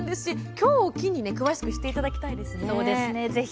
きょうを機に詳しく知っていただきたいですね。